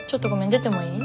出てもいい？